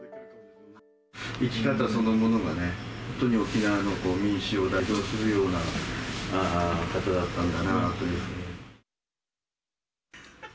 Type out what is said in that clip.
生き方そのものがね、本当に沖縄の民衆を代表するような方だったんだなというふうに。